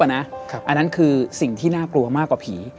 อันนั้นคือสิ่งที่น่ากลัวมากกว่าผี